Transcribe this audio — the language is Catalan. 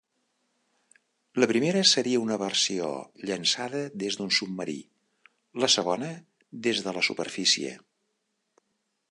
La primera seria una versió llançada des d'un submarí; la segona, des de la superfície.